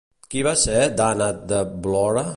Qui va ser Dànat de Vlöre?